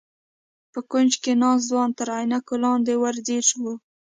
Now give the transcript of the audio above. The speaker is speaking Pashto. په کونج کې ناست ځوان تر عينکو لاندې ور ځير و.